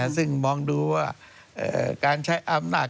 ซึ่งมองดูว่าการใช้อำนาจ